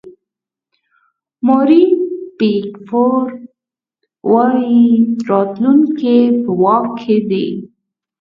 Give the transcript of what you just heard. ماري پیکفورډ وایي راتلونکی په واک کې دی.